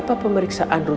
tapi mungkin dia sudah tua